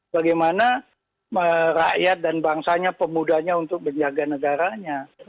bagaimana rakyat dan bangsanya pemudanya untuk menjaga negaranya